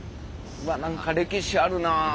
何か歴史あるな。